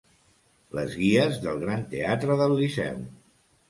Les guies del Gran teatre del Liceu.